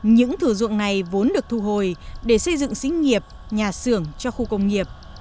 những thử dụng này vốn được thu hồi để xây dựng xính nghiệp nhà xưởng cho khu công nghiệp